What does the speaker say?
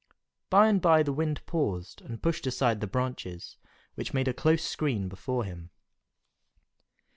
By and by the Wind paused and pushed aside the branches, which made a close screen before him.